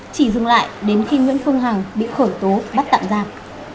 chỉ dừng lại đến khi nguyễn phương hằng bị khởi tố bắt tạm giam